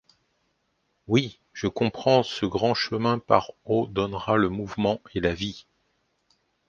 Oui, je comprends, ce grand chemin par eau donnera le mouvement et la vie.